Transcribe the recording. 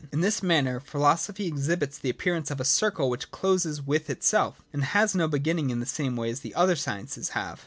In this manner philosophy ex hibits the appearance of a circle which closes with itself, and has no beginning in the same way as the other sciences have.